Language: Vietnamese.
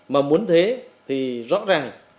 mà muốn thế thì rõ ràng